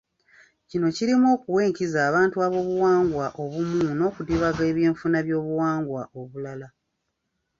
Kino kirimu okuwa enkizo abantu ab'obuwangwa obumu n'okudibaga eby'enfuna by'obuwangwa obulala